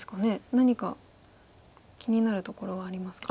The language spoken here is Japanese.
何か気になるところはありますか？